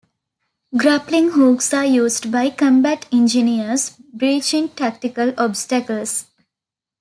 Grappling hooks are used by combat engineers breaching tactical obstacles.